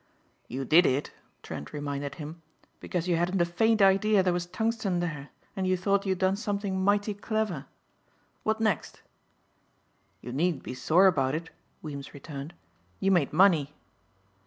"You did it," Trent reminded him, "because you hadn't a faint idea there was tungsten there and you thought you'd done something mighty clever. What next?" "You needn't be sore about it," Weems returned, "you made money."